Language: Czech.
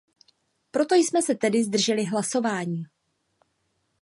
Proto jsme se tedy zdrželi hlasování.